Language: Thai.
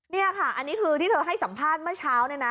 นี่ค่ะอันนี้คือที่เธอให้สัมภาษณ์เมื่อเช้าเนี่ยนะ